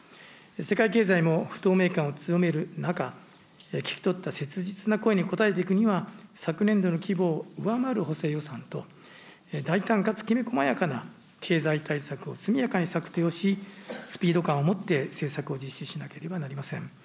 世界経済も不透明感を強める中、聞き取った切実な声に応えていくためには、昨年度の規模を上回る補正予算と、大胆かつきめこまやかな経済対策を速やかに策定をし、スピード感を持って、政策を実施しなければなりません。